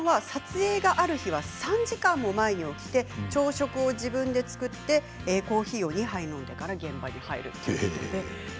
宮沢さんは撮影がある日は３時間も前に起きて朝食を自分で作ってコーヒーを２枚飲んでから現場へ入るそうです。